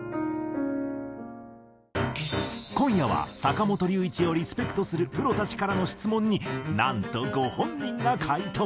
今夜は坂本龍一をリスペクトするプロたちからの質問になんとご本人が回答！